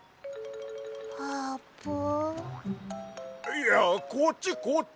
いやこっちこっち！